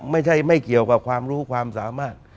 ไม่ใช่ไม่เกี่ยวกับความรู้ความสามารถ